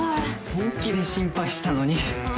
本気で心配したのに。